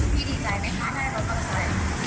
ดีใจไหมคะได้รถมอเตอร์ไซค์